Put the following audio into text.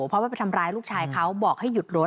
เพราะว่าไปทำร้ายลูกชายเขาบอกให้หยุดรถ